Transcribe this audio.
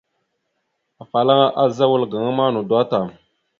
Afalaŋa azza wal gaŋa ma nodoró tam.